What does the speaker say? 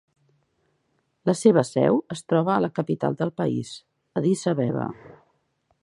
La seva seu es troba a la capital del país, Addis Abeba.